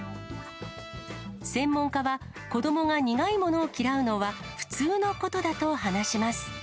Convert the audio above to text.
専門家は、子どもが苦いものを嫌うのは普通のことだと話します。